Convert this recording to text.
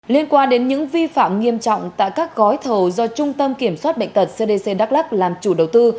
liên quan đến những vi phạm nghiêm trọng tại các gói thầu do trung tâm kiểm soát bệnh tật cdc đắk lắc làm chủ đầu tư